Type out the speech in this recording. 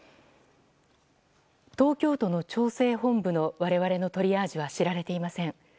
東京都の調整本部の我々のトリアージは知られていません。